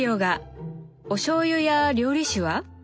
おしょうゆや料理酒は？